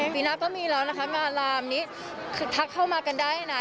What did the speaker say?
ปีหน้าก็มีแล้วนะคะมาลามนี้คือทักเข้ามากันได้นะ